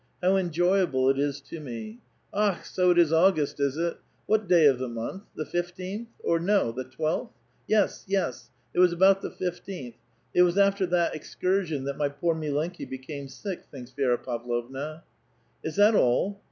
How enjoyable it is to me !— Akh! so it is August, is it? What day of the month? the fifteenth ; or, no, the twelfth ? Yes, yes, it was about the fif teenth ; it was after that excuraion that my poor milenki be came sick,*' thinks Vi^ra Pavlovna. ''Is that all?"